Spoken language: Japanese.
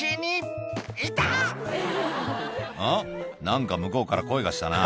何か向こうから声がしたな」